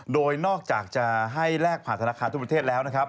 โดยนอกจากจะให้แลกผ่านทานาคารทั่วประเทศแล้ว